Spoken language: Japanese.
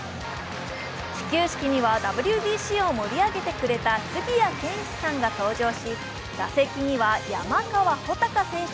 始球式にはＷＢＣを盛り上げてくれた杉谷拳士さんが登場し打席には山川穂高選手。